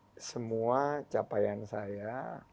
itu semua capaian saya